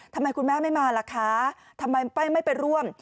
ทำไมคุณแม่ไม่มาล่ะคะทำไมไม่ไปร่วม